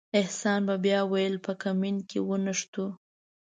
احسان به بیا ویل په کمین کې ونښتو.